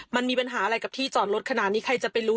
มันมีปัญหาอะไรกับที่จอดรถขนาดนี้ใครจะไปรู้